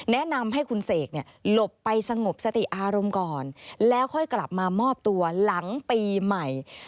แนะนำให้คุณเสกเนี่ยหลบไปสงบสติอารมณ์ก่อนแล้วค่อยกลับมามอบตัวหลังปีใหม่